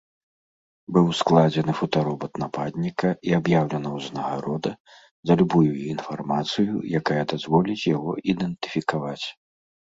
Быў складзены фотаробат нападніка і аб'яўлена ўзнагарода за любую інфармацыю, якая дазволіць яго ідэнтыфікаваць.